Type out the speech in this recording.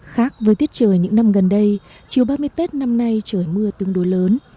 khác với tiết trời những năm gần đây chiều ba mươi tết năm nay trời mưa tương đối lớn